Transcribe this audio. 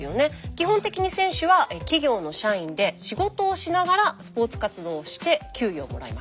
基本的に選手は企業の社員で仕事をしながらスポーツ活動をして給与をもらいます。